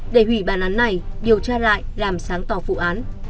để hủy bàn án này điều tra lại làm sáng tỏ vụ án